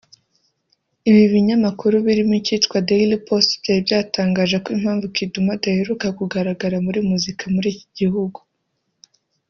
Ibi binyamakuru birimo icyitwa Daily Post byari byatangaje ko impamvu Kidum adaheruka kugaragara muri muzika muri iki gihugu